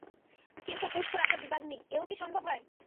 কিন্তু পুষ্পরাশাবিবাগ্নিঃ এও কি সম্ভব হয়।